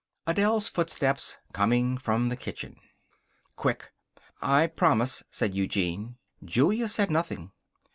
Adele's footsteps coming from the kitchen. "Quick!" "I promise," said Eugene. Julia said nothing.